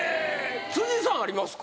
辻さんありますか？